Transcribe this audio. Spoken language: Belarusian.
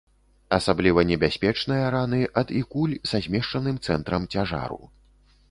Асабліва небяспечныя раны ад і куль са змешчаным цэнтрам цяжару.